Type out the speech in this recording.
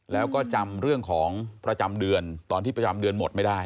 แล้วก็จำเรื่องของประจำเดือนตอนที่ประจำเดือนหมดไม่ได้